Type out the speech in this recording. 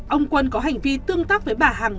ông quân có hành vi tương tác với bà hằng